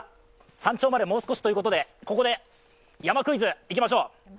山頂までもう少しということでここで、山クイズいきましょう。